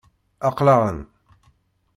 Aql-aɣ-n.